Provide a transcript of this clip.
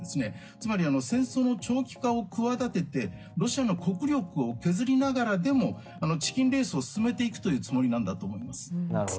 つまり戦争の長期化を企ててロシアの国力を削りながらでもチキンレースを進めていくというつもりなんだと思います。